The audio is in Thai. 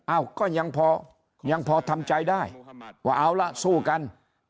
อ้าวก็ยังพอยังพอทำใจได้ว่าเอาละสู้กัน